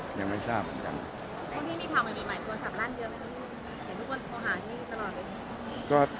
พรุ่งนี้มีทำไม่มีหมายโทรศัพท์ร่านเดียวหรือเห็นทุกคนโทรหาที่นี่ตลอดเลย